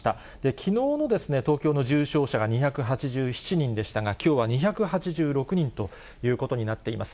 きのうの東京の重症者が２８７人でしたが、きょうは２８６人ということになっています。